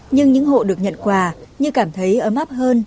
nhưng những hộ được nhận quà như cảm thấy ấm áp hơn